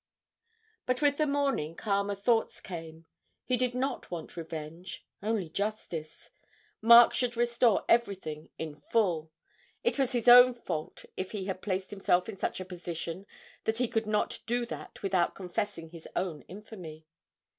But with the morning calmer thoughts came: he did not want revenge only justice. Mark should restore everything in full it was his own fault if he had placed himself in such a position that he could not do that without confessing his own infamy.